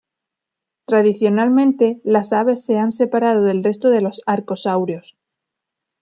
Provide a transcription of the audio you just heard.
Tradicionalmente, las aves se han separado del resto de los arcosaurios.